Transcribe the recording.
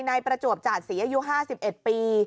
นายประจวบจาดศรีอายุ๕๑ปี